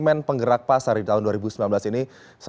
bursa efek indonesia dua ribu sembilan belas